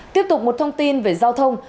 tiếp tục một thông tin về giao thông